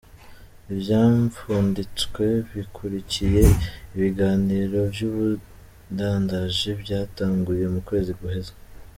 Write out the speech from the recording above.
Ivyapfunditswe bikurikiye ibiganiro vy'ubudandaji vyatanguye mu kwezi guheze.